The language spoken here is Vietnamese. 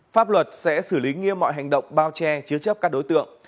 pháp luật sẽ xử lý nghiêm mọi hành động bao che chứa chấp các đối tượng